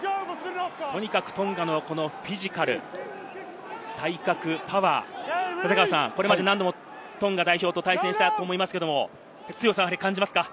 とにかくトンガのフィジカル、体格、パワー、これまで何度もトンガ代表と対戦したと思いますけれども、強さを感じますか？